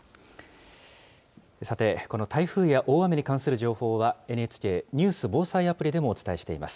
さて、この台風や大雨に関する情報はＮＨＫニュース・防災アプリでもお伝えしています。